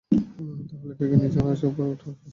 তাহলেই কেকের নিচের আনারস উপরে উঠে আসবে।